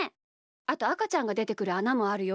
あとあかちゃんがでてくるあなもあるよ。